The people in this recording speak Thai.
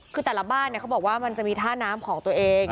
คือแต่ละบ้านเขาบอกว่ามันจะมีท่าน้ำของตัวเอง